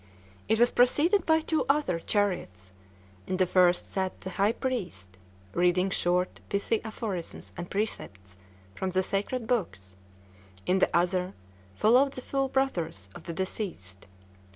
It was preceded by two other chariots; in the first sat the high priest, reading short, pithy aphorisms and precepts from the sacred books; in the other followed the full brothers of the deceased.